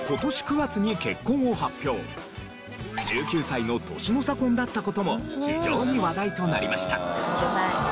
１９歳の年の差婚だった事も非常に話題となりました。